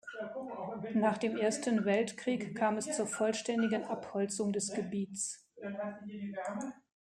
Nach dem Ersten Weltkrieg kam es zur vollständigen Abholzung des Gebiets.